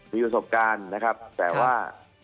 มีประสบการณ์นะครับแต่ว่า